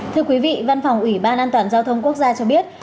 thưa quý vị văn phòng ủy ban an toàn giao thông quốc gia cho biết